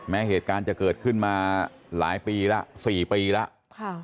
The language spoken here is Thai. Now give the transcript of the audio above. แม้เหตุการณ์จะเกิดขึ้นมาหลายปีแล้ว๔ปีแล้ว